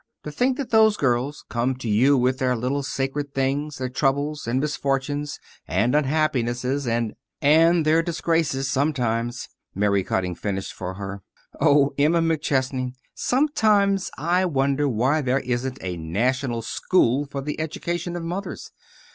To think that those girls come to you with their little sacred things, their troubles, and misfortunes, and unhappinesses and " "And their disgraces sometimes," Mary Cutting finished for her. "Oh, Emma McChesney, sometimes I wonder why there isn't a national school for the education of mothers.